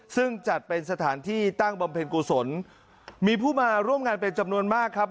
ซึ่งจัดเป็นสถานที่ตั้งบำเพ็ญกุศลมีผู้มาร่วมงานเป็นจำนวนมากครับ